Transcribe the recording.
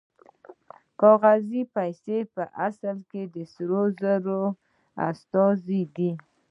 کاغذي پیسې په اصل کې د سرو زرو استازي دي